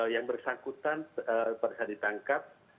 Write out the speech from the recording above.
yang bersangkutan pada saat ditangkap